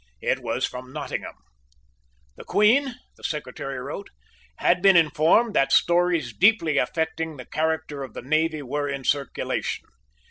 It was from Nottingham. The Queen, the Secretary wrote, had been informed that stories deeply affecting the character of the navy were in circulation.